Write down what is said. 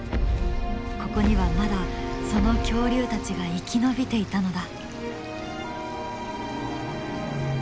ここにはまだその恐竜たちが生き延びていたのだ。